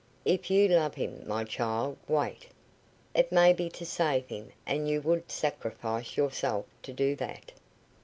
"If you love him, my child, wait. It may be to save him, and you would sacrifice yourself to do that."